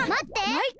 マイカ？